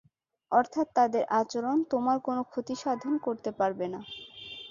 অর্থাৎ তাদের আচরণ তোমার কোন ক্ষতিসাধন করতে পারবে না।